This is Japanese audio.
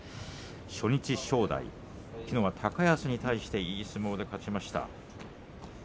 初日は正代、きのうは高安に対していい相撲で勝ちました。